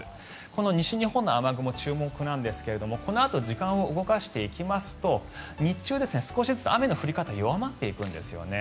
この西日本の雨雲注目なんですけれどもこのあと時間を動かしていきますと日中、少しずつ雨の降り方は弱まっていくんですよね。